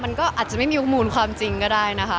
มันก็อาจจะไม่มีมูลความจริงก็ได้นะคะ